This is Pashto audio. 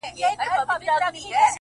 o چي زموږ څه واخله دا خيرن لاســـــونه،